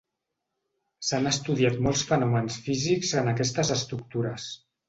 S'han estudiat molts fenòmens físics en aquestes estructures.